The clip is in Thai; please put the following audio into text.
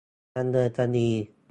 ดำเนินคดี